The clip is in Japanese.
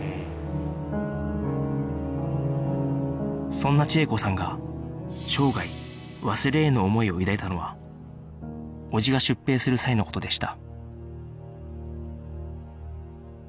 そんな千枝子さんが生涯忘れ得ぬ思いを抱いたのは叔父が出兵する際の事でした